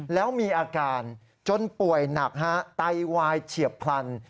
แล้วมีอาการจนป่วยหนักฮะไตวายเฉียบพลัน